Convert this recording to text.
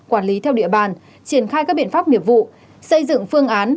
quản lý theo địa bàn triển khai các biện pháp nghiệp vụ xây dựng phương án